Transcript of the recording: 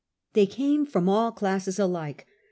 They came from all classes alike.